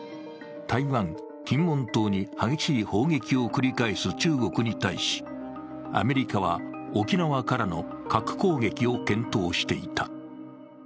台湾、金門島に激しい砲撃を繰り返す中国に対し、アメリカは沖縄からの核攻撃を検討していた。